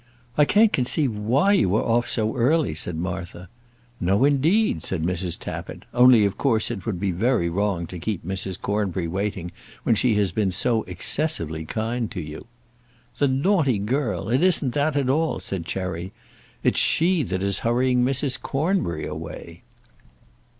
"I can't conceive why you are off so early," said Martha. "No, indeed," said Mrs. Tappitt; "only of course it would be very wrong to keep Mrs. Cornbury waiting when she has been so excessively kind to you." "The naughty girl! It isn't that at all," said Cherry. "It's she that is hurrying Mrs. Cornbury away."